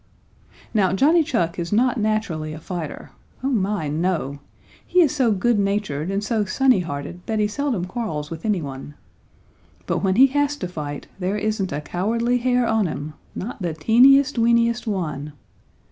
Now Johnny Chuck is not naturally a fighter. Oh my, no! He is so good natured and so sunny hearted that he seldom quarrels with any one. But when he has to fight, there isn't a cowardly hair on him, not the teeniest, weeniest one.